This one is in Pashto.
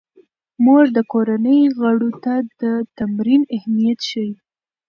مور د کورنۍ غړو ته د تمرین اهمیت ښيي.